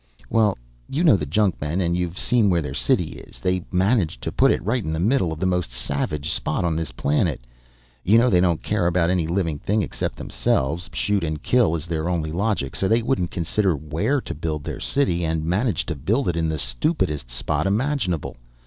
"Well, you know the junkmen, and you've seen where their city is. They managed to put it right in the middle of the most savage spot on this planet. You know they don't care about any living thing except themselves, shoot and kill is their only logic. So they wouldn't consider where to build their city, and managed to build it in the stupidest spot imaginable.